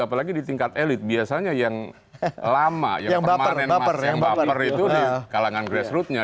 apalagi di tingkat elit biasanya yang lama yang permanen yang baper itu di kalangan grassrootnya